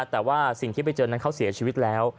แต่ว่าสิ่งที่ไปเจอนั้นเขาเสียชีวิตแล้ว